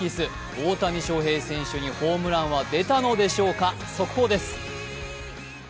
大谷翔平選手にホームランは出たのでしょうか、速報です。